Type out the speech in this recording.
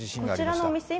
こちらのお店